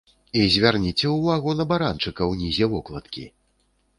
І звярніце ўвагу на баранчыка ўнізе вокладкі!